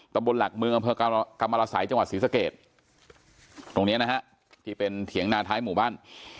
บนหลักเมืองอำเภอกรรมรสัยจังหวัดศรีสเกตตรงเนี้ยนะฮะที่เป็นเถียงนาท้ายหมู่บ้าน